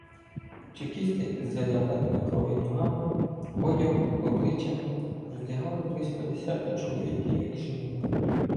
Чекісти із заляпаними кров'ю ногами, одягом, обличчями роздягали близько десятка чоловіків і жінок.